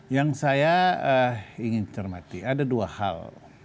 yang saya ingin cermati ada dua hal